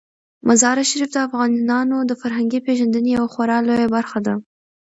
مزارشریف د افغانانو د فرهنګي پیژندنې یوه خورا لویه برخه ده.